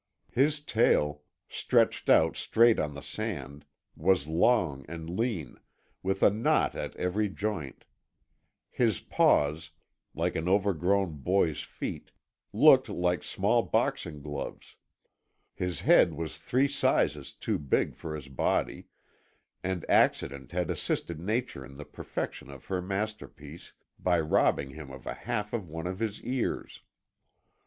His tail, stretched out straight on the sand, was long and lean, with a knot at every joint; his paws, like an overgrown boy's feet, looked like small boxing gloves; his head was three sizes too big for his body, and accident had assisted Nature in the perfection of her masterpiece by robbing him of a half of one of his ears.